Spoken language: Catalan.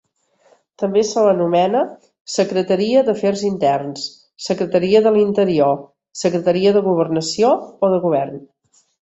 També se l'anomena Secretaria d'Afers Interns, Secretaria de l'Interior, Secretaria de Governació o de Govern.